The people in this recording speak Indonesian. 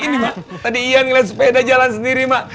ini tadi iya ngeliat sepeda jalan sendiri mak